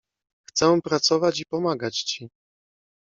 Chcę pracować i pomagać ci.